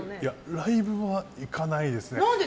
ライブは行かないですね。